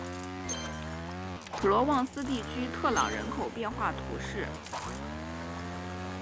普罗旺斯地区特朗人口变化图示